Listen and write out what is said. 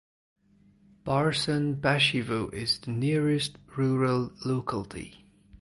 Barsunbashevo is the nearest rural locality.